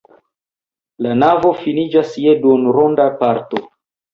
La navo finiĝas je duonronda parto.